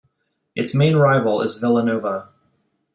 Its main rival is Vila Nova.